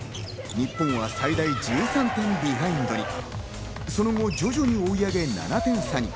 日本は最大１３点ビハインドにその後、徐々に追い上げ、７点差に。